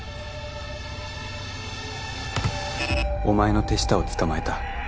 「お前の手下を捕まえた」